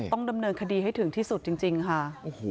ต้องดำเนินคดีให้ถึงที่สุดจริงค่ะ